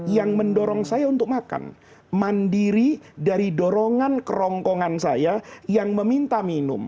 yang mendorong saya untuk makan mandiri dari dorongan kerongkongan saya yang meminta minum